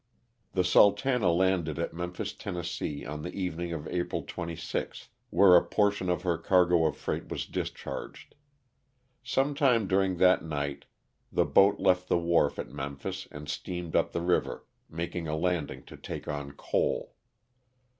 The '*Sultana" landed at Memphis, Tenn., on the evening of April 26, where a portion of her cargo of freight was discharged. Some time during that night the boat left the wharf at Memphis and steamed up the river, making a landing to take on coal.